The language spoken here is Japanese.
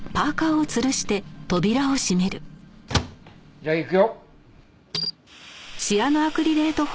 じゃあいくよ。